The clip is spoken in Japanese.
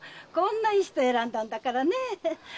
こんないい人選んだんだからねえ。